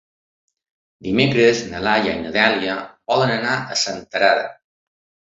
Dimecres na Laia i na Dèlia volen anar a Senterada.